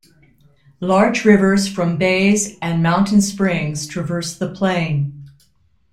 Large rivers from bays and mountain springs traverse the plain.